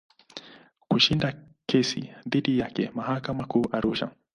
Kushinda kesi dhidi yake mahakama Kuu Arusha.